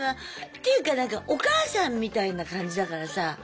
ていうか何かお母さんみたいな感じだからさ